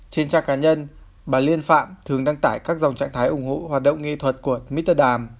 trên trang cá nhân bà liên phạm thường đăng tải các dòng trạng thái ủng hộ hoạt động nghệ thuật của miterdam